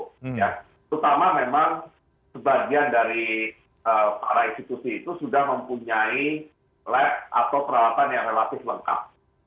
terutama memang sebagian dari para institusi itu sudah mempunyai lab atau peralatan yang relatif lengkap